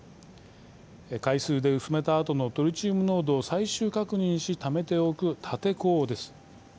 海水で薄めたあとのトリチウム濃度を最終確認しためておく立て坑です。